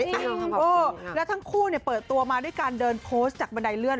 เออแล้วทั้งคู่เปิดตัวมาด้วยการเดินโพสต์จากบันไดเลื่อน